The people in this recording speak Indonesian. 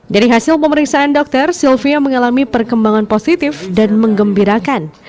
dari hasil pemeriksaan dokter sylvia mengalami perkembangan positif dan mengembirakan